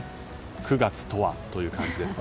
９月とはという感じですね。